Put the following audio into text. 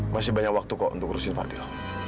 masih banyak waktu kok untuk ngurusin fadil